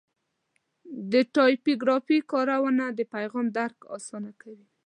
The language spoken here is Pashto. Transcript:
د ټایپوګرافي کارونه د پیغام درک اسانه کوي.